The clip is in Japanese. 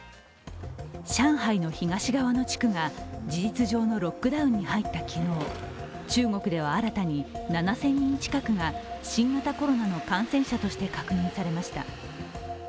上海の東側の地区が事実上のロックダウンに入った昨日、中国では新たに７０００人近くが新型コロナの感染者として確認されました。